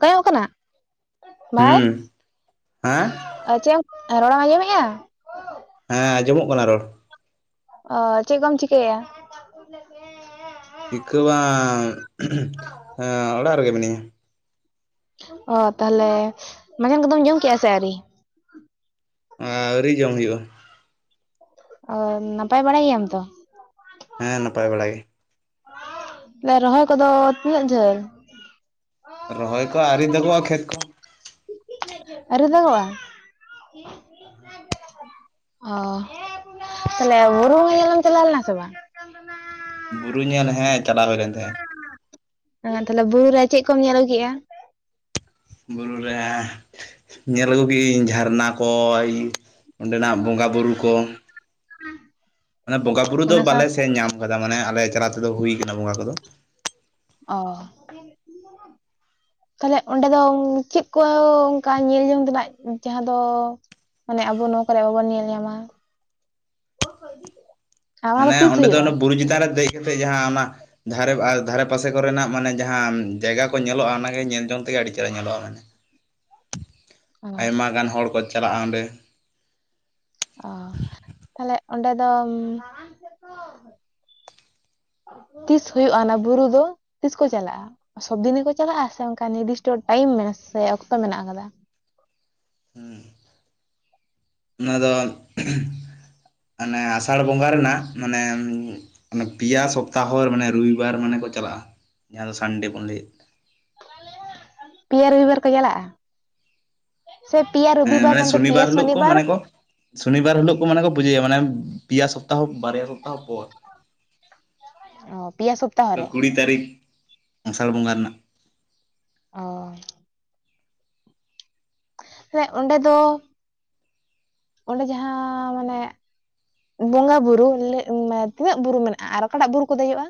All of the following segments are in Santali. ᱠᱚᱭᱚᱜ ᱠᱟᱱᱟ᱾ ᱵᱷᱟᱭ ᱦᱩᱸ ᱦᱮᱸ ᱚ ᱪᱮᱫ ᱮᱢ ᱨᱚᱲᱮᱢ ᱟᱸᱡᱚᱢᱮᱼᱟ? ᱦᱮᱸ ᱟᱸᱡᱚᱢᱚᱜ ᱠᱟᱱᱟ ᱨᱚᱲ᱾ ᱚ ᱪᱮᱫ ᱠᱚᱢ ᱪᱤᱠᱟᱹᱭᱮ-ᱟ? [inaudible] ᱪᱤᱠᱟᱹ ᱵᱟᱝ ᱦᱮᱸ ᱚᱲᱟᱜ ᱨᱮᱜᱮ ᱢᱤᱱᱟᱹᱧᱟ᱾ ᱚ ᱛᱟᱦᱞᱮ ᱢᱟᱡᱟᱱ ᱠᱚᱫᱚᱢ ᱡᱚᱢ ᱠᱮᱜᱼᱟ ᱥᱮ ᱟᱹᱣᱨᱤ? ᱟᱹᱣᱨᱤ ᱡᱚᱢ ᱦᱩᱭᱩᱜᱼᱟ᱾ ᱚ ᱱᱟᱯᱟᱭ ᱵᱟᱲᱟ ᱜᱮᱭᱟᱢ ᱛᱚ? ᱦᱮᱸ ᱱᱟᱯᱟᱭ ᱵᱟᱲᱟ ᱜᱮ᱾ ᱞᱮ ᱨᱚᱦᱚᱭ ᱠᱚᱫᱚ ᱛᱤᱱᱟᱹᱜ ᱡᱷᱟᱹᱞ? ᱨᱚᱦᱚᱭ ᱠᱚ ᱟᱣᱨᱤ ᱫᱟᱜᱚᱜ-ᱟ ᱠᱷᱮᱛ ᱠᱚ᱾ ᱟᱣᱨᱤ ᱫᱟᱜᱚᱜ-ᱟ? ᱚ ᱛᱟᱦᱞᱮ ᱵᱩᱨᱩ ᱵᱚᱸᱜᱟ ᱧᱮᱞᱮᱢ ᱪᱟᱞᱟᱣ ᱞᱮᱱᱟ ᱥᱮ ᱵᱟᱝ? [inaudible] ᱵᱩᱨᱩ ᱧᱮᱞ ᱦᱮᱸ ᱪᱟᱞᱟᱣ ᱦᱩᱭ ᱞᱮᱱ ᱛᱟᱦᱮᱸᱜ᱾ ᱮ ᱛᱟᱦᱞᱮ ᱵᱩᱨᱩ ᱨᱮ ᱪᱮᱫ ᱠᱚᱢ ᱧᱮᱞ ᱟᱹᱜᱩ ᱠᱮᱜᱼᱟ? ᱵᱩᱨᱩ ᱨᱮ ᱧᱮᱞ ᱟᱹᱜᱩ ᱜᱤᱭᱤᱧ ᱡᱷᱟᱨᱱᱟ ᱠᱚᱼᱼ ᱚᱸᱰᱮᱱᱟᱜ ᱵᱚᱸᱜᱟ ᱵᱩᱨᱩ ᱠᱚ᱾ [unintelligible] ᱢᱟᱱᱮ ᱵᱚᱸᱜᱟᱼ ᱵᱩᱨᱩ ᱫᱚ ᱚᱱᱟ ᱵᱟᱞᱮ ᱥᱟᱶᱛᱮ ᱥᱮᱱ ᱧᱟᱢ ᱠᱟᱫᱟ ᱢᱟᱱᱮ ᱟᱞᱮ ᱪᱟᱞᱟ ᱛᱮᱫᱚ ᱦᱩᱭ ᱠᱟᱱᱟ ᱵᱚᱸᱜᱟ ᱠᱚᱫᱚ᱾ ᱚᱻ [unintelligible] [inaudible] ᱛᱟᱦᱞᱮ ᱚᱸᱰᱮ ᱫᱚ ᱪᱮᱫ ᱠᱚ ᱚᱱᱠᱟ ᱧᱮᱞ ᱡᱚᱝ ᱛᱮᱱᱟᱜ ᱡᱟᱦᱟᱸ ᱫᱚᱼᱼ ᱢᱟᱱᱮ ᱟᱵᱚ ᱱᱚᱣᱟ ᱠᱚᱨᱮ ᱵᱟᱵᱚᱱ ᱧᱮᱞ ᱧᱟᱢᱟ? ᱟᱨ ᱚᱱᱟ ᱢᱟᱱᱮ ᱛᱤᱥ ᱚᱸᱰᱮ ᱫᱚ ᱦᱩᱭᱩᱜᱼᱟ ᱚᱱᱟ ᱵᱩᱨᱩ ᱪᱮᱛᱟᱱ ᱨᱮ ᱫᱮᱡ ᱠᱟᱛᱮᱜ ᱡᱟᱦᱟᱸ ᱚᱱᱟᱼᱼ ᱡᱟᱦᱟᱨᱮ ᱟᱨ ᱫᱷᱟᱨᱮ ᱯᱟᱥᱮ ᱠᱚᱨᱮᱱᱟᱜ ᱢᱟᱱᱮ ᱡᱟᱦᱟᱸ ᱡᱟᱭᱜᱟ ᱠᱚ ᱧᱮᱞᱚᱜᱼᱟ ᱚᱱᱟᱜᱮ ᱧᱮᱞ ᱡᱚᱝ ᱛᱮᱜᱮ ᱟᱹᱰᱤ ᱪᱮᱦᱨᱟ ᱧᱮᱞᱚᱜ-ᱟ ᱢᱟᱱᱮ᱾ ᱚ ᱟᱭᱢᱟ ᱜᱟᱱ ᱦᱚᱲ ᱠᱚ ᱪᱟᱞᱟᱜᱼᱟ ᱚᱸᱰᱮ᱾ ᱚ ᱛᱟᱦᱞᱮ ᱚᱸᱰᱮ ᱫᱚ [unintelligible] [inaudible] ᱛᱤᱥ ᱦᱳᱭᱳᱜᱼᱟ ᱚᱱᱟ ᱵᱩᱨᱩ ᱫᱚ ᱛᱤᱥ ᱠᱚ ᱪᱟᱞᱟᱜᱼᱟ? ᱥᱚᱵᱽᱫᱤᱱ ᱜᱮᱠᱚ ᱪᱟᱞᱟᱜᱼᱟ ᱥᱮ ᱚᱱᱠᱟ ᱱᱤᱨᱫᱤᱥᱴᱚ ᱴᱟᱭᱤᱢ ᱢᱮᱱᱟᱜ ᱥᱮ ᱚᱠᱛᱚ ᱢᱮᱱᱟᱜ ᱟᱠᱟᱫᱟ᱾ ᱦᱩᱸ ᱚᱱᱟ ᱫᱚ ᱟᱱᱮ ᱟᱥᱟᱲ ᱵᱚᱸᱜᱟ ᱨᱮᱱᱟᱜ ᱢᱚᱱᱮ ᱚᱱᱮ ᱯᱤᱭᱟ ᱥᱚᱯᱛᱟᱦᱚ ᱢᱟᱱᱮ ᱨᱚᱵᱤᱵᱟᱨ ᱢᱟᱱᱮ ᱠᱚ ᱪᱟᱞᱟᱜᱼᱟ ᱡᱟᱦᱟᱸ ᱫᱚ ᱥᱟᱱᱰᱮ ᱵᱚᱱ ᱞᱮᱹᱭᱮᱫ ᱯᱤᱭᱟ ᱨᱩᱵᱤᱵᱟᱨ ᱠᱚ ᱪᱟᱞᱟᱜᱼᱟ᱾ ᱥᱮ ᱯᱤᱭᱟ ᱨᱩᱵᱤ ᱵᱟᱨ ᱢᱮᱱᱫᱚ ᱯᱤᱭᱟ ᱥᱚᱱᱤᱵᱟᱨ ᱥᱩᱱᱤᱵᱟᱨ ᱦᱤᱞᱳᱜ ᱠᱚ ᱢᱟᱱᱮ ᱠᱚ ᱯᱩᱡᱳᱭᱟ ᱢᱟᱱᱮ ᱯᱤᱭᱟ ᱥᱚᱯᱛᱟᱦᱚ ᱵᱟᱨᱭᱟ ᱥᱚᱯᱛᱟᱦᱚ ᱯᱚᱨ [inaudible] ᱚ ᱯᱤᱭᱟ ᱥᱚᱯ [unintelligible] ᱠᱩᱲᱤ ᱛᱟᱹᱨᱤᱠᱷ ᱟᱥᱟᱲ ᱵᱚᱸᱜᱟ ᱨᱮᱱᱟᱜ ᱚ ᱥᱮ ᱚᱸᱰᱮ ᱫᱚ [unintelligible] ᱚᱸᱰᱮ ᱡᱟᱦᱟᱸ ᱢᱟᱱᱮ ᱵᱚᱸᱜᱟ ᱵᱩᱨᱩ ᱞᱮᱜ ᱢᱮ ᱛᱤᱱᱟᱹᱜ ᱵᱩᱨᱩ ᱢᱮᱱᱟᱜᱼᱟ ᱟᱨ ᱚᱠᱟᱴᱟᱜ ᱵᱩᱨᱩ ᱠᱚ ᱫᱮᱡᱚᱜᱼᱟ?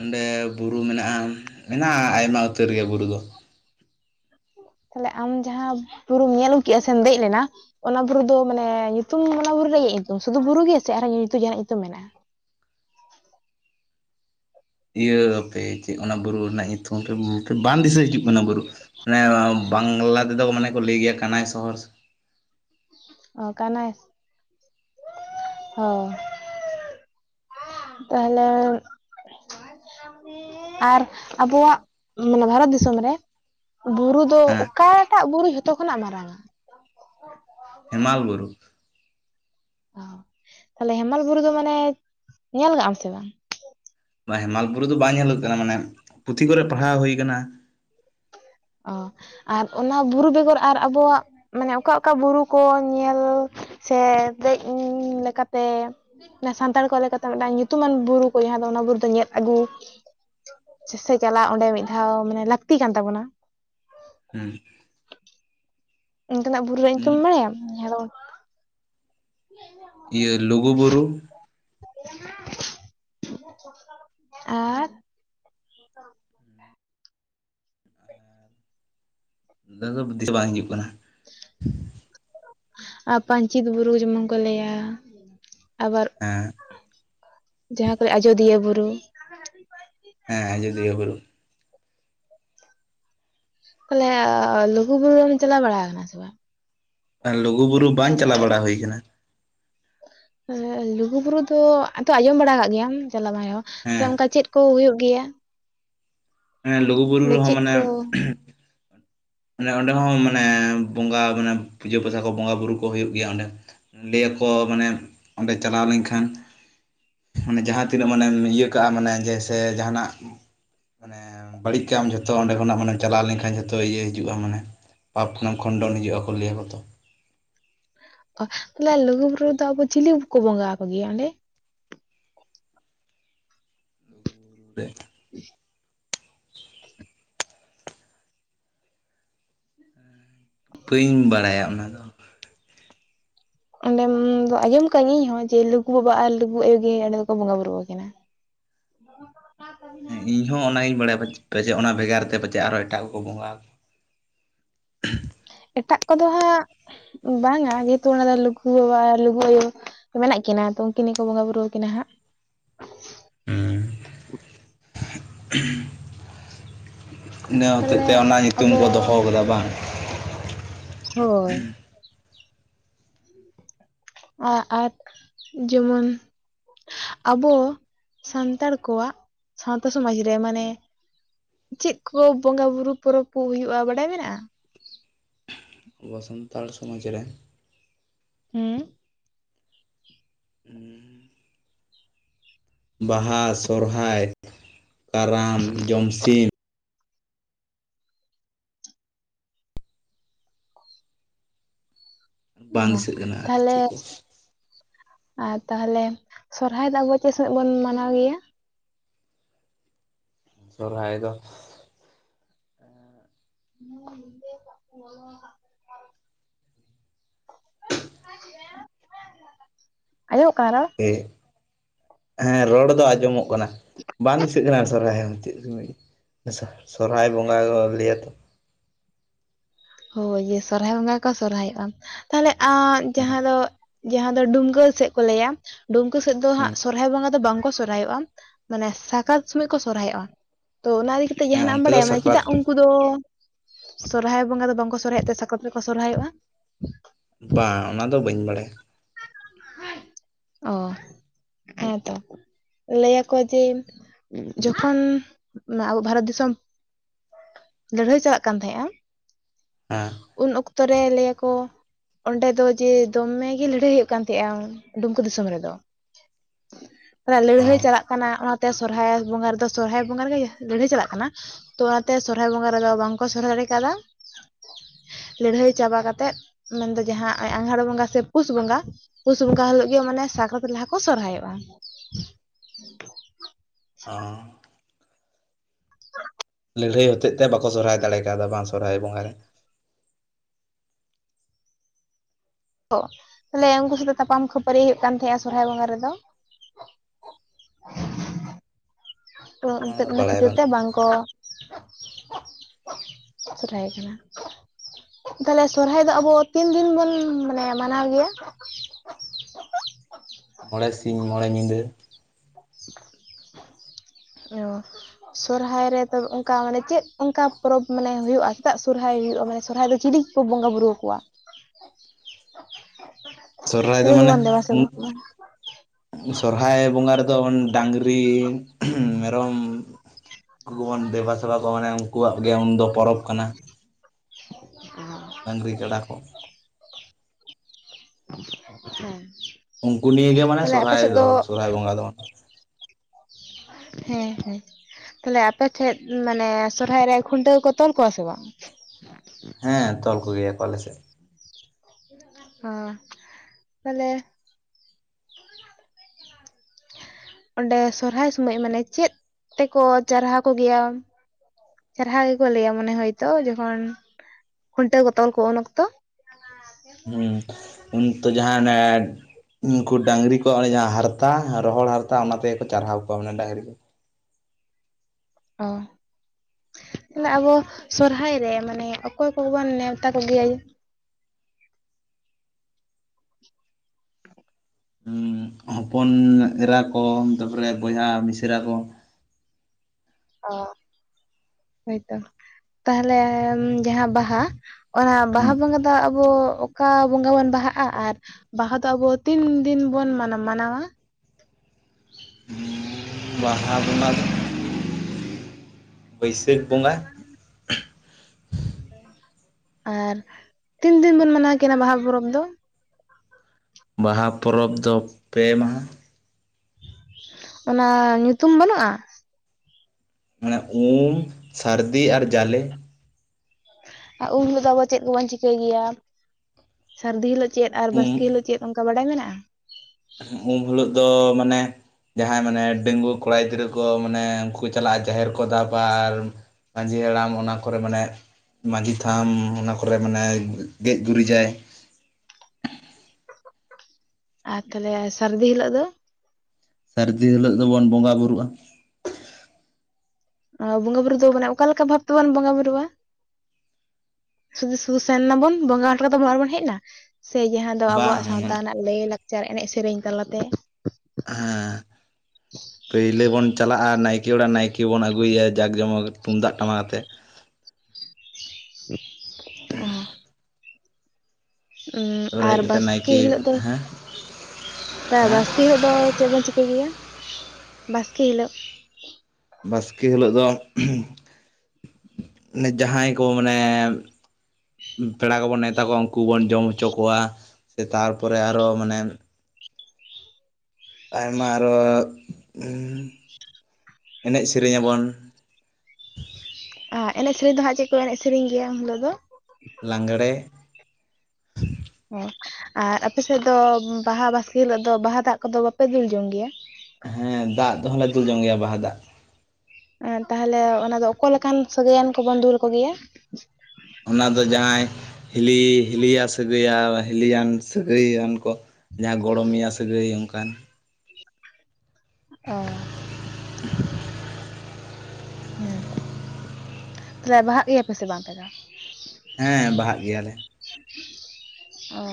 ᱚᱸᱰᱮ ᱵᱩᱨᱩ ᱢᱮᱱᱟᱜᱼᱟ ᱢᱮᱱᱟᱜᱼᱟ ᱟᱭᱢᱟ ᱩᱛᱟᱹᱨ ᱜᱮ ᱵᱩᱨᱩ ᱫᱚ᱾ ᱛᱟᱦᱞᱮ ᱟᱢ ᱡᱟᱦᱟᱸ ᱵᱩᱨᱩᱢ ᱧᱮᱞ ᱟᱹᱜᱩ ᱠᱮᱜᱼᱟ ᱥᱮᱢ ᱫᱮᱜ ᱞᱮᱱᱟ᱾ ᱚᱱᱟ ᱵᱩᱨᱩ ᱫᱚ ᱢᱟᱱᱮ ᱧᱩᱛᱩᱢ ᱚᱱᱟ ᱵᱩᱨᱩ ᱨᱮᱭᱟᱜ ᱪᱮᱫ ᱧᱩᱛᱩᱢ ᱥᱩᱫᱩ ᱵᱩᱨᱩ ᱜᱮ ᱥᱮ ᱟᱨᱦᱚᱸ ᱤᱧᱩᱛ ᱡᱟᱦᱟᱱᱟᱜ ᱧᱩᱛᱩᱢ ᱢᱮᱱᱟᱜᱼᱟ᱾ ᱤᱭᱟᱹᱦᱟᱯᱮ ᱪᱮᱜ ᱚᱱᱟ ᱵᱩᱨᱩ ᱨᱮᱱᱟᱜ ᱧᱩᱛᱩᱢ ᱦᱟᱯᱮ ᱵᱟᱝ ᱫᱤᱥᱟᱹ ᱦᱤᱡᱩᱜ ᱠᱟᱱᱟ ᱵᱩᱨᱩ ᱢᱟᱱᱮ ᱵᱟᱝᱞᱟ ᱛᱮᱫᱚ ᱢᱟᱱᱮ ᱠᱚ ᱞᱮ ᱜᱮᱭᱟ ᱠᱟᱱᱟᱭ ᱥᱚᱦᱚᱨ ᱚ ᱠᱟᱱᱟᱭ [unintelligible] ᱦᱚ ᱛᱟᱦᱟᱞᱮ [inaudible] ᱟᱨ ᱟᱵᱚᱣᱟᱜ ᱢᱟᱱᱮ ᱵᱷᱟᱨᱚᱛ ᱫᱤᱥᱚᱢ ᱨᱮ ᱵᱩᱨᱩ ᱫᱚ ᱦᱮᱸ ᱚᱠᱟᱴᱟᱜ ᱵᱩᱨᱩ ᱡᱷᱚᱛᱚ ᱠᱷᱚᱱᱟᱜ ᱢᱟᱨᱟᱝᱟ? ᱦᱮᱢᱟᱞ-ᱵᱩᱨᱩ᱾ ᱚ ᱛᱟᱦᱞᱮ ᱦᱮᱢᱟᱞ ᱵᱩᱨᱩ ᱫᱚ ᱢᱟᱱᱮ ᱧᱮᱞ ᱠᱟᱜ ᱟᱢ ᱥᱮ ᱵᱟᱝ? ᱵᱟ ᱦᱮᱢᱟᱞ ᱵᱩᱨᱩ ᱨᱮ ᱫᱚ ᱵᱟᱝ ᱧᱮᱞᱚᱜ ᱠᱟᱱᱟ ᱢᱟᱱᱮ ᱯᱩᱛᱷᱤ ᱠᱚᱨᱮ ᱯᱟᱲᱦᱟᱣ ᱦᱩᱭ ᱠᱟᱱᱟ᱾ ᱚ ᱟᱨ ᱚᱱᱟ ᱵᱩᱨᱩ ᱵᱮᱜᱚᱨ ᱟᱨ ᱟᱵᱚᱣᱟᱜ ᱢᱟᱱᱮ ᱚᱠᱟ ᱚᱠᱟ ᱵᱩᱨᱩ ᱠᱚ ᱧᱮᱞ ᱥᱮ ᱫᱮᱜ ᱤᱧ ᱞᱮᱠᱟᱛᱮ ᱢᱟᱱᱮ ᱥᱟᱱᱛᱟᱲ ᱠᱚ ᱞᱮᱠᱟᱛᱮ ᱢᱤᱫᱴᱟᱝ ᱧᱩᱛᱩᱢᱟᱱ ᱵᱩᱨᱩ ᱠᱚ ᱡᱟᱦᱟᱸ ᱫᱚ ᱚᱱᱟ ᱵᱩᱨᱩ ᱫᱚ ᱧᱮᱞ ᱟᱹᱜᱩ ᱥᱮ ᱪᱮᱜ ᱪᱟᱞᱟᱜ ᱚᱸᱰᱮ ᱢᱤᱫ ᱫᱷᱟᱣ ᱢᱟᱱᱮ ᱞᱟᱹᱠᱛᱤ ᱠᱟᱱ ᱛᱟᱵᱚᱱᱟ᱾ ᱦᱩᱸ ᱚᱱᱠᱟᱱᱟᱜ ᱵᱩᱨᱩ ᱨᱮᱭᱟᱜ ᱧᱩᱛᱩᱢ ᱮᱢ ᱵᱟᱲᱟᱭᱟ ᱡᱟᱦᱟᱫᱚ ᱤᱭᱟᱹ ᱞᱳᱜᱩᱵᱩᱨᱩ ᱟᱨ [inaudible] ᱟᱫᱚ ᱫᱤᱥᱳ ᱵᱟᱝ ᱦᱤᱡᱩᱜ ᱠᱟᱱᱟ᱾ ᱟᱨ ᱯᱟᱧᱪᱤᱛ ᱵᱩᱨᱩ ᱡᱮᱢᱚᱱ ᱠᱚ ᱞᱮᱭᱟ᱾ ᱟᱵᱟᱨ ᱡᱟᱦᱟᱸ ᱠᱚᱨᱮ ᱟᱡᱚᱫᱤᱭᱟᱹ ᱵᱩᱨᱩ᱾ ᱦᱮᱸ ᱟᱡᱳᱫᱤᱭᱟᱹ ᱵᱩᱨᱩ, ᱯᱟᱞᱮ ᱞᱳᱜᱩ ᱵᱩᱨᱩ ᱨᱮᱢ ᱪᱟᱞᱟᱣ ᱵᱟᱲᱟ ᱠᱟᱱᱟ ᱥᱮ ᱵᱟᱝ? ᱞᱳᱜᱩ ᱵᱩᱨᱩ ᱵᱟᱝ ᱪᱟᱞᱟ ᱵᱟᱲᱟ ᱦᱳᱭ ᱠᱟᱱᱟ᱾ ᱞᱩᱜᱩ ᱵᱩᱨᱩ ᱫᱚ ᱟᱛᱚ ᱟᱸᱡᱚᱢ ᱵᱟᱲᱟ ᱠᱟᱜ ᱜᱮᱭᱟᱢ ᱪᱟᱞᱟᱣ ᱵᱟᱝ ᱨᱮᱦᱚᱸ ᱛᱚᱵᱮ ᱦᱮᱸ ᱚᱱᱠᱟ ᱪᱮᱫ ᱠᱚ ᱦᱩᱭᱩᱜ ᱜᱮᱭᱟ? ᱦᱮᱸ ᱞᱩᱜᱩ ᱵᱩᱨᱩ ᱚᱸᱰᱮ ᱨᱮᱦᱚᱸ ᱪᱮᱫ ᱢᱟᱱᱮ ᱠᱚ ᱢᱟᱱᱮ ᱚᱰᱮ ᱦᱚᱸ ᱢᱟᱱᱮ ᱵᱚᱸᱜᱟ ᱢᱟᱱᱮ ᱯᱩᱡᱳᱯᱟᱥᱟ ᱠᱚ ᱵᱚᱸᱜᱟᱼᱵᱩᱨᱩ ᱠᱚ ᱦᱳᱭᱳᱜ ᱜᱮᱭᱟ ᱚᱸᱰᱮ᱾ ᱞᱮᱭᱟᱠᱚ ᱢᱟᱱᱮ ᱚᱸᱰᱮ ᱪᱟᱞᱟᱣ ᱞᱮᱝᱠᱷᱟᱱ ᱢᱟᱱᱮ ᱡᱟᱦᱟᱸ ᱛᱤᱱᱟᱹᱜ ᱢᱟᱱᱮᱢ ᱤᱭᱟᱹ ᱠᱟᱜᱼᱟ ᱢᱟᱱᱮ ᱡᱮᱭᱥᱮ ᱡᱟᱦᱟᱸᱱᱟᱜ ᱢᱟᱱᱮ ᱵᱟᱹᱲᱤᱡ ᱠᱟᱜᱼᱟᱢ ᱡᱷᱚᱛᱚ ᱚᱸᱰᱮ ᱠᱷᱚᱱᱟᱜ ᱢᱟᱱᱮᱢ ᱪᱟᱞᱟᱣ ᱞᱮᱠᱷᱟᱱ ᱡᱷᱚᱛᱚ ᱤᱭᱟᱹ ᱦᱤ ᱡᱩᱜ-ᱟ ᱢᱟᱱᱮ ᱯᱟᱯ ᱠᱷᱚᱱᱟᱢ ᱠᱷᱚᱸᱰᱚᱱ ᱦᱤᱡᱩᱜ-ᱟ ᱠᱚ ᱞᱟᱹᱭᱟᱠᱚ ᱛᱚ᱾ ᱚ ᱛᱟᱦᱞᱮ ᱞᱩᱜᱩᱵᱩᱨᱩ ᱨᱮᱫᱚ ᱟᱵᱚ ᱪᱤᱞᱤ ᱠᱚᱠᱚ ᱵᱚᱸᱜᱟ ᱟᱠᱚ ᱜᱮᱭᱟ ᱚᱸᱰᱮ? [inaudible] [inaudible] ᱛᱳ ᱤᱧ ᱵᱟᱲᱟᱭᱟ ᱚᱱᱟᱫᱚ᱾ ᱚᱸᱰᱮᱢ ᱫᱚ ᱟᱸᱡᱚᱢ ᱠᱟᱫ ᱟᱹᱧ ᱤᱧᱦᱚᱸ ᱡᱮ ᱞᱩᱜᱩ ᱵᱟᱵᱟ ᱟᱨ ᱞᱩᱜᱩ ᱟᱭᱳ ᱜᱮ ᱚᱸᱰᱮ ᱫᱚᱠᱚ ᱵᱚᱸᱜᱟ ᱵᱩᱨᱩ ᱟᱠᱤᱱᱟ᱾ ᱦᱮᱸ ᱤᱧᱦᱚᱸ ᱚᱱᱟᱜᱤᱧ ᱵᱟᱲᱟᱭᱟ ᱯᱟᱪᱮ ᱯᱟᱪᱮᱫ ᱚᱱᱟ ᱵᱷᱮᱜᱟᱨ ᱛᱮ ᱯᱟᱪᱮᱫ ᱟᱨᱚ ᱮᱴᱟᱜ ᱠᱚᱠᱚ ᱵᱚᱸᱜᱟ ᱮᱴᱟᱜ ᱠᱚᱫᱚ ᱦᱟᱸᱜ ᱵᱟᱝᱟ ᱡᱮᱦᱮᱛᱩ ᱚᱸᱰᱮ ᱫᱚ ᱞᱩᱜᱩ ᱵᱟᱵᱟ ᱟᱨ ᱞᱩᱜᱩ ᱟᱭᱳ ᱢᱮᱱᱟᱜ ᱠᱤᱱᱟ, ᱛᱚ ᱩᱱᱠᱤᱱ ᱜᱮᱠᱚ ᱵᱚᱸᱜᱟ ᱵᱩᱨᱩ ᱟᱠᱤᱱᱟ ᱦᱟᱸᱜ᱾ ᱦᱩᱸ᱾ ᱤᱱᱟᱹ ᱦᱚᱛᱮᱡ ᱛᱟᱦᱚᱞᱮ ᱛᱮ ᱚᱱᱟ ᱧᱩᱛᱩᱢ ᱟᱵᱚ ᱠᱚ ᱫᱚᱦᱚ ᱠᱟᱫᱟ ᱵᱟᱝ? ᱦᱳᱭ᱾ ᱟ ᱟᱨ ᱡᱮᱢᱚᱱ ᱟᱵᱚ ᱥᱟᱱᱛᱟᱲ ᱠᱚᱣᱟᱜ ᱥᱟᱶᱛᱟ ᱥᱚᱢᱟᱡᱽ ᱨᱮ ᱢᱟᱱᱮ ᱪᱮᱫ ᱠᱚ ᱵᱚᱸᱜᱟ-ᱵᱩᱨᱩ ᱯᱚᱨᱚᱵ ᱠᱩ ᱦᱩᱭᱩᱜ-ᱟ ᱵᱟᱰᱟᱭ ᱢᱮᱱᱟᱜ-ᱟ? ᱟᱵᱚ ᱥᱟᱱᱛᱟᱲ ᱥᱚᱢᱟᱡᱽ ᱨᱮ? ᱦᱮᱸ᱾ ᱦᱩᱸ᱾ ᱵᱟᱦᱟ, ᱥᱚᱨᱦᱟᱭ, ᱠᱟᱨᱟᱢ, ᱡᱚᱢᱥᱤᱢ, ᱚ ᱵᱟᱝ ᱫᱤᱥᱟᱹᱜ ᱠᱟᱱᱟ ᱟᱨ ᱪᱮᱫ ᱛᱟᱦᱞᱮ ᱠᱚ ᱟᱨ ᱛᱟᱦᱚᱞᱮ ᱥᱚᱨᱦᱟᱭ ᱫᱚ ᱟᱵᱚ ᱪᱮᱫ ᱥᱚᱢᱚᱭ ᱵᱚᱱ ᱢᱟᱱᱟᱣ ᱜᱮᱭᱟ? ᱥᱚᱦᱨᱟᱭ ᱫᱚ [inaudible] ᱟᱸᱡᱚᱢᱚᱜ ᱠᱟᱱᱟ ᱨᱚᱲ? [unintelligible] ᱦᱮᱸ ᱨᱚᱲ ᱫᱚ ᱟᱸᱡᱚᱢᱚᱜ ᱠᱟᱱᱟ, ᱵᱟᱝ ᱫᱤᱥᱟᱹᱜ ᱠᱟᱱᱟ ᱥᱚᱨᱦᱟᱭ ᱫᱚ ᱪᱮᱫ ᱥᱚᱢᱚᱭ ᱥᱚᱨᱦᱟᱭ ᱵᱚᱸᱜᱟ ᱫᱚ ᱞᱟᱹᱭᱟ ᱛᱚ, ᱦᱳᱭ ᱡᱮ ᱥᱚᱨᱦᱟᱭ ᱵᱚᱸᱜᱟ ᱜᱮ ᱠᱚ ᱥᱚᱨᱦᱟᱭᱚᱜᱼᱟ, ᱛᱟᱦᱞᱮ ᱟᱨ ᱦᱮᱸ ᱡᱟᱦᱟᱸ ᱫᱚ ᱡᱟᱦᱟᱸ ᱫᱚ ᱰᱩᱢᱠᱟᱹ ᱥᱮᱫ ᱠᱚ ᱞᱟᱹᱭᱟ ᱰᱩᱢᱠᱟᱹ ᱥᱮᱫ ᱫᱚ ᱦᱮᱸ ᱦᱟᱸᱜ ᱥᱚᱨᱦᱟᱭ ᱵᱚᱸᱜᱟ ᱫᱚ ᱵᱟᱝ ᱠᱚ ᱥᱚᱨᱦᱟᱭᱚᱜᱼᱟ ᱢᱟᱱᱮ ᱥᱟᱠᱨᱟᱛ ᱥᱚᱢᱚᱭ ᱠᱚ ᱥᱚᱨᱦᱟᱭᱚᱜᱼᱟ, ᱛᱚ ᱚᱱᱟ ᱤᱫᱤ ᱠᱟᱛᱮᱜ ᱦᱮᱸ ᱡᱟᱦᱟᱸᱱᱟᱜ ᱮᱢ ᱚᱱᱛᱮ ᱫᱚ ᱵᱟᱲᱟᱭᱟ ᱢᱟᱱᱮ ᱥᱟᱠᱨᱟᱛ ᱪᱮᱫᱟᱜ ᱩᱝ ᱩᱝᱠᱩ ᱫᱚ ᱥᱚᱨᱦᱟᱭ ᱵᱚᱸᱜᱟ ᱫᱚ ᱵᱟᱝ ᱠᱚ ᱥᱚᱨᱦᱟᱭᱚᱜ ᱛᱮ ᱥᱟᱠᱨᱟᱛ ᱨᱮᱠᱚ ᱥᱚᱨᱦᱟᱭᱚᱜᱼᱟ᱾ ᱵᱟ ᱚᱱᱟᱫᱚ ᱵᱟᱹᱧ ᱵᱟᱲᱟᱭᱟ᱾ [unintelligible] ᱚ ᱦᱮᱸᱛᱚ, ᱞᱟᱹᱭ ᱟᱠᱚ ᱡᱮ ᱡᱚᱠᱷᱚᱱ ᱚᱱᱟ ᱟᱵᱚ ᱵᱷᱟᱨᱚᱛ ᱫᱤᱥᱚᱢ, ᱞᱟᱹᱲᱦᱟᱹᱭ ᱪᱟᱞᱟᱜ ᱠᱟᱱ ᱛᱟᱦᱮᱸᱫᱼᱟ, ᱦᱮᱸ ᱩᱱ ᱚᱠᱛᱚ ᱨᱮ ᱞᱟᱹᱭ ᱟᱠᱚ ᱚᱸᱰᱮ ᱫᱚ ᱡᱮ ᱫᱚᱢᱮ ᱜᱤ ᱞᱟᱹᱲᱦᱟᱹᱭ ᱦᱩᱭᱩᱜ ᱠᱟᱱ ᱛᱟᱦᱮᱸ-ᱟ ᱰᱩᱢᱠᱟᱹ ᱫᱤᱥᱚᱢ ᱨᱮᱫᱚ ᱚᱱᱟ ᱚ ᱞᱟᱹᱲᱦᱟᱹᱭ ᱪᱟᱞᱟᱜ ᱠᱟᱱᱟ ᱚᱱᱟ ᱛᱮ ᱥᱚᱨᱦᱟᱭ ᱵᱚᱸᱜᱟ ᱨᱮᱫᱚ ᱥᱚᱨᱦᱟᱭ ᱵᱚᱸᱜᱟ ᱨᱮᱜᱮ ᱞᱟᱹᱲᱦᱟᱹᱭ ᱪᱟᱞᱟᱜ ᱠᱟᱱᱟ, ᱛᱚ ᱚᱱᱟᱛᱮ ᱥᱚᱨᱦᱟᱭ ᱵᱚᱸᱜᱟ ᱨᱮᱫᱚ ᱵᱟᱝ ᱠᱚ ᱥᱚᱨᱦᱟᱭ ᱫᱟᱲᱮ ᱠᱟᱣᱫᱟ᱾ ᱞᱟᱹᱲᱦᱟᱹᱭ ᱪᱟᱵᱟ ᱠᱟᱛᱮ ᱢᱮᱱ ᱫᱚ ᱡᱟᱦᱟᱸ ᱮᱜ ᱟᱸᱜᱷᱟᱲ ᱵᱚᱸᱜᱟ ᱥᱮ ᱯᱩᱥ ᱵᱚᱸᱜᱟ ᱯᱩᱥ ᱵᱚᱸᱜᱟ ᱦᱤᱞᱳᱜ ᱜᱮ ᱢᱟᱱᱮ ᱥᱟᱠᱨᱟᱛ ᱞᱟᱦᱟ ᱠᱚ ᱥᱚᱨᱦᱟᱭᱚᱜᱼᱟ ᱾ ᱚᱻ ᱞᱟᱹᱲᱦᱟᱹᱭ ᱦᱚᱛᱮᱡ ᱛᱮ ᱵᱟᱠᱚ ᱥᱚᱨᱦᱟᱭ ᱫᱟᱲᱮ ᱠᱟᱣᱫᱟ ᱵᱟᱝ ᱥᱚᱨᱦᱟᱭ ᱵᱚᱸᱜᱟ ᱨᱮ᱾ ᱚ ᱛᱟᱦᱞᱮ ᱩᱱᱠᱩ ᱥᱟᱛᱮ ᱛᱟᱯᱟᱢ ᱠᱷᱟᱹᱯᱟᱹᱨᱤ ᱦᱩᱭᱩᱜ ᱠᱟᱱ ᱛᱟᱦᱮᱸ-ᱟ ᱥᱚᱨᱦᱟᱭ ᱵᱚᱸᱜᱟ ᱨᱮᱫᱚ, [inaudible] ᱛᱚ ᱚᱱᱟ ᱮᱱᱛᱮᱫ ᱫᱚ ᱤᱱᱟᱹ ᱵᱟᱲᱟᱭ ᱠᱷᱟᱹᱛᱤᱨ ᱛᱮ ᱵᱟᱹᱱᱩᱜᱼᱟ ᱵᱟᱝᱠᱚ, ᱥᱚᱨᱦᱟᱭ ᱠᱟᱱᱟ᱾ ᱛᱟᱦᱞᱮ ᱥᱚᱨᱦᱟᱭ ᱫᱚ ᱟᱵᱚ ᱛᱤᱱ ᱫᱤᱱ ᱵᱚᱱ ᱢᱟᱱᱮ ᱢᱟᱱᱟᱣ ᱜᱮᱭᱟ? ᱢᱚᱬᱮ ᱥᱤᱧ ᱢᱚᱬᱮ ᱧᱤᱫᱟᱹ᱾ [inaudible] ᱚ ᱥᱚᱨᱦᱟᱭ ᱨᱮᱫᱚ ᱚᱱᱠᱟ ᱢᱟᱱᱮ ᱪᱮᱫ ᱚᱱᱠᱟ ᱯᱚᱨᱚᱵᱽ ᱢᱟᱱᱮ ᱦᱩᱭᱩᱜᱼᱟ ᱪᱮᱫᱟᱜ ᱥᱚᱨᱦᱟᱭ ᱦᱩᱭᱩᱜᱼᱟ ᱢᱟᱱᱮ ᱥᱚᱨᱦᱟᱭ ᱫᱚ ᱪᱤᱞᱤ ᱠᱚ ᱵᱚᱸᱜᱟ ᱵᱩᱨᱩ ᱠᱚᱣᱟ᱾ ᱥᱚᱨᱦᱟᱭ ᱫᱚ ᱪᱮᱞᱮ ᱠᱚ ᱢᱟᱱᱮ ᱵᱚᱱ ᱫᱮᱵᱟ ᱥᱮᱵᱟ ᱠᱚᱣᱟ? ᱥᱚᱨᱦᱟᱭ ᱵᱚᱸᱜᱟ ᱨᱮᱫᱚ ᱰᱟᱝᱨᱤ ᱢᱮᱨᱚᱢ, ᱩᱱᱠᱩᱵᱚᱱ ᱫᱮᱵᱟ ᱥᱮᱵᱟ ᱠᱚ ᱢᱟᱱᱮ ᱩᱱᱠᱩᱣᱟᱜ ᱜᱮ ᱩᱱ ᱫᱚ ᱯᱚᱨᱚᱵᱽ ᱠᱟᱱᱟ ᱰᱟᱝᱨᱤ ᱠᱟᱰᱟ ᱠᱚ᱾ [unintelligible] ᱩᱱᱠᱩ ᱱᱤᱭᱮ ᱜᱮ ᱢᱟᱱᱮ ᱛᱟᱦᱚᱞᱮ ᱟᱯᱮ ᱥᱚᱨᱦᱟᱭ ᱥᱮᱫ ᱫᱚ ᱥᱚᱨᱦᱟᱭ ᱵᱚᱸᱜᱟ ᱫᱚ᱾ ᱦᱮᱸ ᱦᱮᱸ ᱛᱟᱦᱞᱮ ᱟᱯᱮᱴᱷᱮᱡ ᱢᱟᱱᱮ ᱥᱚᱨᱦᱟᱭ ᱨᱮ ᱠᱷᱩᱱᱴᱟᱹᱣ ᱠᱚ ᱛᱚᱞ ᱠᱚᱣᱟ ᱥᱮ ᱵᱟᱝ? ᱦᱮᱸ ᱛᱚᱞ ᱠᱚᱜᱮᱭᱟᱠᱚ ᱟᱞᱮ ᱥᱮᱫ᱾ ᱦᱟ ᱛᱟᱦᱞᱮ, ᱚᱸᱰᱮ ᱥᱚᱨᱦᱟᱭ ᱥᱩᱢᱟᱹᱭ ᱢᱟᱱᱮ ᱪᱮᱫ ᱛᱮᱠᱚ ᱪᱟᱨᱦᱟᱣ ᱠᱚᱜᱮᱭᱟ? ᱪᱟᱨᱦᱟᱣ ᱜᱮᱠᱚ ᱞᱟᱹᱭᱟ ᱢᱚᱱᱮ ᱦᱚᱭᱛᱚ ᱡᱚᱠᱷᱚᱱ ᱠᱷᱩᱱᱴᱟᱹᱣ ᱠᱚ ᱛᱚᱞ ᱠᱚᱜᱼᱟ ᱩᱱ ᱚᱠᱛᱚ᱾ ᱦᱩᱸ ᱩᱱ ᱚᱠᱛᱚ ᱡᱟᱦᱟᱸ ᱚᱱᱮ ᱩᱱᱠᱩ ᱰᱟᱝᱨᱤ ᱠᱚᱣᱟᱜ ᱚᱱᱮ ᱡᱟᱦᱟᱸ ᱦᱟᱨ ᱛᱟ ᱨᱚᱦᱚᱲ ᱦᱟᱨᱛᱟ ᱚᱱᱟ ᱛᱮᱜᱮᱠᱚ ᱪᱟᱨᱦᱟᱣ ᱠᱚᱣᱟ ᱢᱟᱱᱮ ᱰᱟᱝᱨᱤ ᱠᱚ᱾ ᱚ ᱚᱱᱮ ᱟᱵᱚ ᱥᱚᱨᱦᱟᱭ ᱨᱮ ᱢᱟᱱᱮ ᱚᱠᱚᱭ ᱠᱚᱵᱚᱱ ᱱᱮᱶᱛᱟ ᱠᱚᱜᱮᱭᱟ? [unintelligible] ᱦᱩᱸᱜ ᱦᱚᱯᱚᱱ ᱮᱨᱟ ᱠᱚ ᱛᱟᱨᱯᱚᱨᱮ ᱵᱚᱭᱦᱟ ᱢᱤᱥᱨᱟ ᱠᱚ᱾ ᱚ ᱦᱳᱭᱛᱳ ᱛᱟᱦᱟᱞᱮ ᱡᱟᱦᱟᱸ ᱵᱟᱦᱟ, ᱚᱱᱟ ᱵᱟᱦᱟ ᱦᱮᱸ ᱵᱚᱸᱜᱟ ᱟᱵ ᱟᱵᱚ ᱚᱠᱟ ᱵᱚᱸᱜᱟ ᱵᱚᱱ ᱵᱟᱦᱟᱜᱼᱟ ᱟᱨ ᱵᱟᱦᱟ ᱫᱚ ᱟᱵᱚ ᱛᱤᱱ ᱫᱤᱱ ᱵᱚᱱ ᱢᱟᱱᱟ ᱢᱟᱱᱟᱣᱟ? ᱵᱟᱦᱟ ᱵᱚᱸᱜᱟ ᱫᱚ ᱵᱟᱹᱭᱥᱟᱹᱠ ᱵᱚᱸᱜᱟ᱾ [unintelligible] ᱟᱨ ᱛᱤᱱ ᱫᱤᱱ ᱫᱚᱱ ᱢᱟᱱᱟᱣ ᱠᱮ ᱚᱱᱟ ᱵᱟᱦᱟ ᱯᱚᱨᱚᱵᱽ ᱫᱚ? ᱵᱟᱦᱟ ᱯᱚᱨᱚᱵᱽ ᱫᱚ ᱯᱮ ᱢᱟᱦᱟ᱾ ᱚᱱᱟ ᱧᱩᱛᱩᱢ ᱵᱟᱹᱱᱩᱜᱼᱟ? ᱢᱟᱱᱮ ᱩᱢ, ᱥᱟᱹᱨᱫᱤ ᱟᱨ ᱡᱟᱞᱮ᱾ ᱟ ᱩᱢ ᱨᱮᱫᱚ ᱫᱚ ᱟᱵᱚ ᱪᱮᱫ ᱠᱚᱵᱚᱱ ᱪᱤᱠᱟᱹᱭ ᱜᱮᱭᱟ? ᱥᱟᱹᱨᱫᱤ ᱦᱤᱞᱟᱹᱜ ᱪᱮᱫ ᱟᱨ ᱵᱟᱥᱠᱮ ᱩᱢ ᱦᱤᱞᱟ. ᱜ ᱪᱮᱫ ᱚᱝᱠᱟ ᱵᱟᱰᱟᱭ ᱢᱮᱱᱟᱜᱼᱟ? ᱩᱢ ᱦᱤᱞᱳᱜ ᱫᱚ ᱢᱟᱱᱮ ᱡᱟᱦᱟᱸᱭ ᱢᱟᱱᱮ ᱰᱟᱺᱜᱩᱣᱟᱹ ᱠᱚᱲᱟ ᱜᱤᱫᱽᱨᱟᱹ ᱠᱚ ᱢᱟᱱᱮ ᱩᱝᱠᱩ ᱠᱚ ᱪᱟᱞᱟᱜᱼᱟ ᱡᱟᱦᱮᱨ ᱠᱚ ᱫᱟᱵᱟ, ᱟᱨ ᱢᱟᱺᱡᱷᱤ ᱦᱟᱲᱟᱢ ᱚᱱᱟ ᱠᱚᱨᱮ ᱢᱟᱱᱮ ᱢᱟᱺᱡᱷᱤ ᱛᱷᱟᱱ ᱚᱱᱟ ᱠᱚᱨᱮ ᱢᱟᱱᱮ ᱜᱮᱡ ᱜᱩᱨᱤᱡᱟᱭ᱾ [inaudible] ᱟᱨ ᱛᱟᱦᱞᱮ ᱥᱟᱹᱨᱫᱤ ᱦᱤᱞᱟᱹᱜ ᱫᱚ? ᱥᱟᱹᱨᱫᱤ ᱦᱤᱞᱟᱹᱜ ᱫᱚᱵᱚᱱ ᱵᱚᱸᱜᱟ ᱵᱩᱨᱩᱜᱼᱟ᱾ ᱟ ᱵᱚᱸᱜᱟ ᱵᱩᱨᱩ ᱫᱚ ᱢᱟᱱᱮ ᱚᱠᱟ ᱞᱮᱠᱟ ᱵᱷᱟᱵᱽ ᱛᱮᱵᱚᱱ ᱵᱚᱸᱜᱟ ᱵᱩᱨᱩᱜᱼᱟ? ᱥᱩᱫᱩ ᱥᱩ ᱥᱮᱱ ᱱᱟᱵᱚᱱ ᱵᱚᱸᱜᱟ ᱦᱚᱴᱚ ᱠᱟᱫᱟ ᱟᱨᱵᱚᱱ ᱦᱮᱡᱱᱟ᱾ ᱥᱮ ᱡᱟᱦᱟᱸ ᱫᱚ ᱟᱵᱚᱣᱟᱜ ᱵᱟᱝ ᱥᱟᱶᱛᱟ ᱦᱮᱸ ᱨᱮᱱᱟᱜ ᱞᱟᱹᱭ ᱞᱟᱠᱪᱟᱨ ᱮᱱᱮᱡ ᱥᱮᱨᱮᱧ ᱛᱟᱞᱟᱛᱮ ᱦᱮᱸ ᱯᱟᱹᱭᱞᱟᱹ ᱵᱚᱱ ᱪᱟᱞᱟᱜᱼᱟ ᱱᱟᱭᱠᱮ ᱚᱲᱟᱜ ᱱᱟᱭ ᱠᱮ ᱵᱚᱱ ᱟᱹᱜᱩᱭᱭᱟ ᱡᱟᱠ ᱡᱚᱢᱚᱠ ᱛᱩᱢᱫᱟᱜ ᱴᱟᱢᱟᱠ ᱟᱛᱮ᱾ ᱚ ᱩᱸ ᱛᱟᱯᱚᱨᱮ ᱦᱮᱡ ᱟᱨ ᱠᱟᱛᱮ ᱵᱟᱥᱠᱮ ᱱᱟᱭᱠᱮ ᱦᱤᱞᱟᱹᱜ ᱫᱚ ᱦᱮᱸ ᱛᱟ ᱵᱟᱥᱠᱮ ᱦᱤᱞᱟᱹᱜ ᱫᱚ ᱪᱮᱜ ᱵᱚᱱ ᱪᱤᱠᱟᱹᱭ ᱜᱮᱭᱟ ᱵᱟᱥᱠᱮ ᱦᱤᱞᱟᱹᱜ? ᱵᱟᱥᱠᱮ ᱦᱤᱞᱳᱜ ᱫᱚ ᱱᱮ ᱡᱟᱦᱟᱸᱭ ᱠᱚ ᱢᱟᱱᱮ ᱯᱮᱲᱟ ᱠᱚᱵᱚᱱ ᱱᱮᱶᱛᱟ ᱠᱚᱣᱟ ᱩᱝᱠᱩ ᱵᱚᱱ ᱡᱚᱢ ᱦᱚᱪᱚ ᱠᱚᱣᱟ ᱥᱮ ᱛᱟᱨᱯᱚᱨᱮ ᱟᱨᱚ ᱢᱟᱱᱮ ᱟᱭᱢᱟ ᱟᱨᱚ ᱩ ᱮᱱᱮᱡ ᱥᱮᱨᱮᱧᱟᱵᱚᱱ᱾ ᱟ ᱮᱱᱮᱡ ᱥᱮᱨᱮᱧ ᱫᱚ ᱦᱟᱸᱜ ᱪᱮᱜ ᱠᱚ ᱮᱱᱮᱡ ᱥᱮᱨᱮᱧ ᱜᱮᱭᱟ ᱩᱱᱦᱤᱞᱟᱹᱜ ᱫᱚ? ᱞᱟᱸᱜᱽᱬᱮ ᱚ ᱟ ᱟᱯᱮ ᱥᱮᱜ ᱫᱚ ᱵᱟᱦᱟ ᱵᱟᱥᱠᱮ ᱦᱤᱞᱟᱹᱜ ᱫᱚ ᱵᱟᱦᱟ ᱫᱟᱜ ᱠᱚᱫᱚ ᱵᱟᱯᱮ ᱫᱩᱞ ᱡᱚᱝ ᱜᱮᱭᱟ? ᱦᱮᱸ ᱫᱟᱜ ᱫᱚᱦᱚᱸᱞᱮ ᱫᱩᱞ ᱡᱚᱝ ᱜᱮᱭᱟ ᱵᱟᱦᱟ ᱫᱟᱜ᱾ ᱟᱨ ᱛᱟᱦᱞᱮ ᱚᱱᱟ ᱫᱚ ᱚᱠᱟ ᱞᱮᱠᱟᱱ ᱥᱟᱹᱜᱟᱹᱭᱟᱱ ᱠᱚᱵᱚᱱ ᱫᱩᱞ ᱠᱚᱜᱮᱭᱟ? ᱚᱱᱟ ᱫᱚ ᱡᱟᱦᱟᱸᱭ ᱦᱤᱞᱤ ᱦᱤᱞᱤᱭᱟ ᱥᱟᱹᱜᱟᱹᱭᱟ ᱦᱤᱞᱤᱭᱟᱱ ᱥᱟᱹᱜᱟᱹᱭᱟᱱ ᱠᱚ᱾ ᱡᱟᱦᱟᱸ ᱜᱚᱲᱚᱢᱮᱭᱟ ᱥᱟᱹᱜᱟᱹᱭ ᱚᱝᱠᱟᱱ᱾ ᱚ [inaudible] ᱦᱮᱸᱛᱚ ᱛᱟᱦᱞᱮ ᱵᱟᱦᱟᱜ ᱜᱮᱭᱟᱯᱮ ᱥᱮ ᱵᱟᱝ ᱟᱯᱮ ᱫᱚ? ᱦᱮᱸ ᱵᱟᱦᱟᱜ ᱜᱮᱭᱟᱞᱮ᱾ ᱚ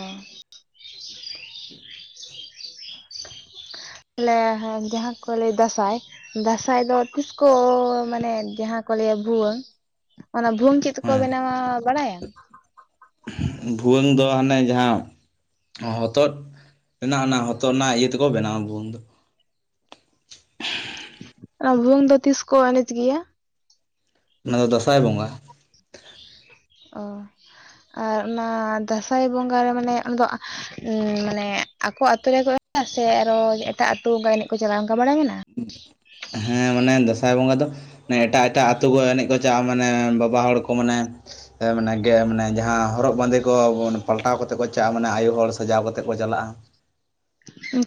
ᱛᱟᱞᱮ ᱦᱮ ᱡᱟᱦᱟᱸ ᱠᱚ ᱞᱟᱹᱭ ᱫᱟᱸᱥᱟᱭ ᱫᱟᱸᱥᱟᱭ ᱫᱚ ᱛᱤᱥ ᱠᱚ ᱢᱟᱱᱮ ᱡᱟᱦᱟᱸ ᱠᱚ ᱞᱟᱹᱭᱟ ᱵᱷᱩᱣᱟᱹᱝ ᱚᱱᱟ ᱵᱷᱩᱣᱟᱹᱝ ᱪᱮᱫ ᱛᱮᱠᱚ ᱦᱮᱸ ᱵᱮᱱᱟᱣᱟ ᱵᱟᱲᱟᱭᱟᱢ? ᱵᱷᱩᱣᱟᱹᱝ ᱫᱚ ᱦᱟᱱᱮ ᱡᱟᱦᱟᱸ ᱦᱚᱛᱚᱫ ᱨᱮᱱᱟᱜ ᱚᱱᱟ ᱦᱚᱛᱚᱫ ᱨᱮᱱᱟᱜ ᱤᱭᱟᱹ ᱛᱮᱠᱚ ᱵᱮᱱᱟᱣᱟ ᱵᱷᱩᱣᱟᱹᱝ ᱫᱚ᱾ ᱟ ᱵᱷᱩᱣᱟᱹᱝ ᱫᱚ ᱛᱤᱥ ᱠᱚ ᱮᱱᱮᱡ ᱜᱮᱭᱟ? ᱚᱱᱟ ᱫᱚ ᱫᱟᱸᱥᱟᱭ ᱵᱚᱸᱜᱟ᱾ ᱚ ᱟᱨ ᱚᱱᱟ ᱫᱟᱸᱥᱟᱭ ᱵᱚᱸᱜᱟ ᱨᱮ ᱢᱟᱱᱮ ᱟᱢᱫᱚ ᱟᱸ ᱢᱟᱱᱮ ᱟᱠᱚ ᱟᱛᱳ ᱨᱮᱠᱚ ᱥᱮ ᱟᱨᱚ ᱮᱴᱟᱜ ᱟᱹᱛᱩ ᱚᱝᱠᱟ ᱮᱱᱮᱡ ᱠᱚ ᱪᱟᱞᱟᱜᱼᱟ ᱚᱝᱠᱟ ᱵᱟᱲᱟᱭ ᱢᱮᱱᱟᱜᱼᱟ? ᱦᱮᱸ ᱢᱟᱱᱮ ᱫᱟᱸᱥᱟᱭ ᱵᱚᱸᱜᱟ ᱫᱚ ᱮᱴᱟᱜ ᱮᱴᱟᱜ ᱟᱹᱛᱩᱳ ᱠᱚ ᱮᱱᱮᱡ ᱠᱚ ᱪᱟᱜᱼᱟ ᱢᱟᱱᱮ ᱵᱟᱵᱟ ᱦᱚᱲ ᱠᱚ ᱢᱟᱱᱮ ᱮ ᱢᱟᱱᱮ ᱜᱮ ᱢᱟᱱᱮ ᱡᱟᱦᱟᱸ ᱦᱚᱨᱚᱜ ᱵᱟᱸᱫᱮ ᱠᱚ ᱯᱟᱞᱴᱟᱣ ᱠᱟᱛᱮ ᱠᱚ ᱪᱟᱞᱼᱟ ᱢᱟᱱᱮ ᱟᱭᱩ ᱦᱚᱲ ᱥᱟᱡᱟᱣ ᱠᱟᱛᱮ ᱠᱚ ᱪᱟᱞᱟᱜᱼᱟ᱾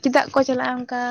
ᱪᱮᱫᱟᱜ ᱠᱚ ᱪᱟᱞᱟᱜᱼᱟ ᱚᱱᱠᱟ?